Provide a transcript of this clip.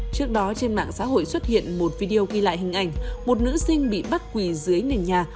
trước đó trên mạng xã hội xuất hiện một video ghi lại hình ảnh một nữ sinh bị bắt quỳ dưới nền nhà